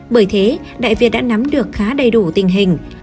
bởi thế đại việt đã nắm được khá đầy đủ tình hình